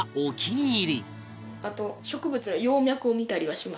あと植物の葉脈を見たりはしますけど。